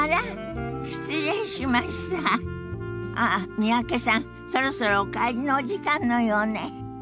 三宅さんそろそろお帰りのお時間のようね。